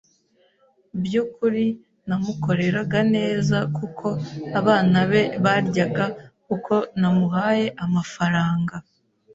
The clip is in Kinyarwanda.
byukuri namukoreraga neza kuko abana be baryaga kuko namuhaye amafaranga